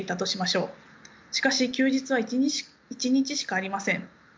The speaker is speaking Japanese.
しかし休日は１日しかありません。